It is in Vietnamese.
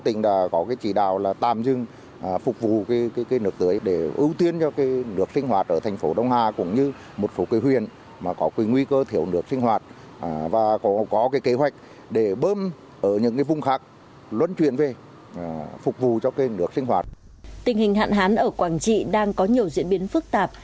tình hình hạn hán ở quảng trị đang có nhiều diễn biến phức tạp